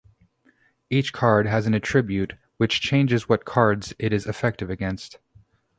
Each card has an attribute which changes what cards it is effective against.